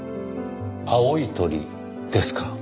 青い鳥ですか。